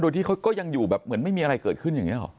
โดยที่เขาก็ยังอยู่แบบเหมือนไม่มีอะไรเกิดขึ้นอย่างนี้หรอ